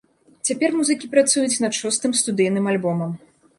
Цяпер музыкі працуюць над шостым студыйным альбомам.